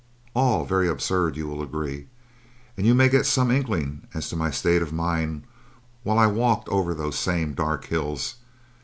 "All very absurd, you will agree, and you may get some inkling as to my state of mind while I walked over those same dark hills.